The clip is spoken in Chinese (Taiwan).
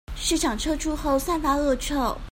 市場撤出後散發惡臭